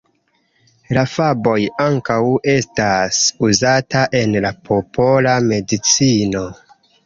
La faboj ankaŭ estas uzata en la popola medicino.